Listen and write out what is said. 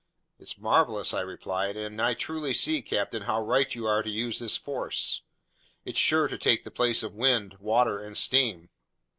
"It's marvelous," I replied, "and I truly see, captain, how right you are to use this force; it's sure to take the place of wind, water, and steam."